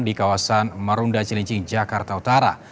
di kawasan marunda cilincing jakarta utara